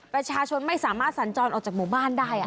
ประชาชนไม่สามารถสัญจรออกจากหมู่บ้านได้